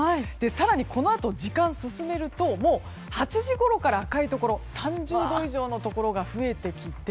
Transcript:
更にこのあと時間を進めると８時ごろから赤いところ３０度以上のところが増えてきて。